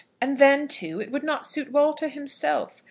And then, too, it would not suit Walter himself.